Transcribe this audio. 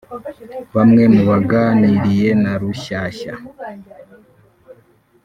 Bamwe mu baganiriye na Rushyashya